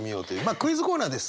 クイズコーナーです。